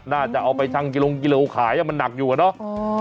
น่าจะเอาไปชั่งกิโลกิโลขายมันหนักอยู่อะเนาะ